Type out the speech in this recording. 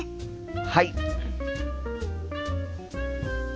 はい！